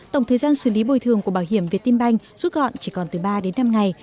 tổng thời gian xử lý bồi thường của bảo hiểm việt tim banh rút gọn chỉ còn từ ba đến năm ngày